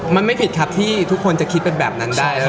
มันไม่ผิดครับที่ทุกคนจะคิดเป็นแบบนั้นได้